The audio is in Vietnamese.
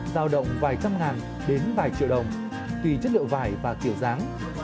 giao động vài trăm ngàn đến vài triệu đồng tùy chất liệu vải và kiểu dáng